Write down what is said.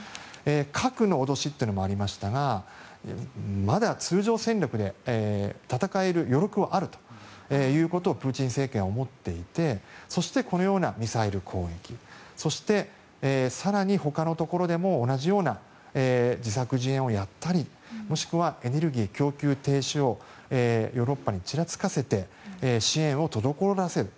核の脅しというのもありましたがまだ通常戦力で戦える余力はあるということをプーチン政権は思っていてそして、このようなミサイル攻撃そして、更にほかのところでも同じような自作自演をやったりもしくはエネルギー供給停止をヨーロッパにちらつかせて支援を滞らせる。